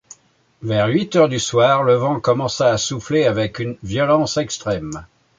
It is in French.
Vers huit heures du soir, le vent commença à souffler avec une violence extrême.